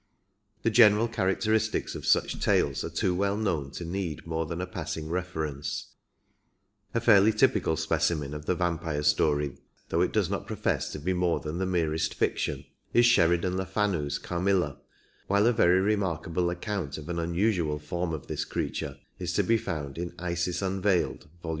42 The general characteristics of such tales are too well known to need more than a passing reference; a fairly typical specimen of the vampire story, though it does not profess to be more than the merest fiction, is Sheridan le Fanu's Carmilla, while a very remarkable account of an unusual form of this creature is to be found in Isis Unveiled^ vol.